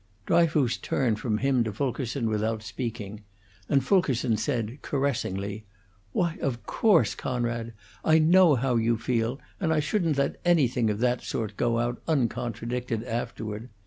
Dryfoos turned from him to Fulkerson without speaking, and Fulkerson said, caressingly: "Why, of course, Coonrod! I know how you feel, and I shouldn't let anything of that sort go out uncontradicted afterward.